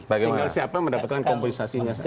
tinggal siapa yang mendapatkan kompensasinya